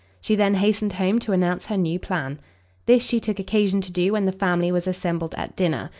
She then hastened home, to announce her new plan. This she took occasion to do when the family was assembled at dinner.